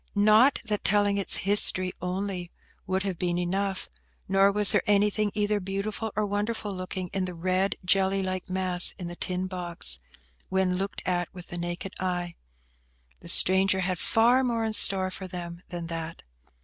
Not that telling its history only would have been enough; nor was there anything either beautiful or wonderful looking in the red, jelly like mass in the tin box, when looked at with the naked eye. The stranger had far more in store for them than that.